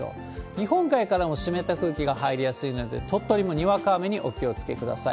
日本海からも湿った空気が入りやすいので、鳥取もにわか雨にお気をつけください。